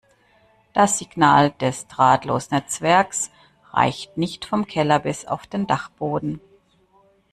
Das Signal des Drahtlosnetzwerks reicht nicht vom Keller bis auf den Dachboden.